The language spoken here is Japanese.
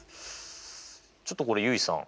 ちょっとこれ結衣さん。